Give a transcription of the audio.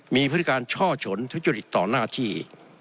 มีพฤติการช่อฉนทุจริตต่อหน้าที่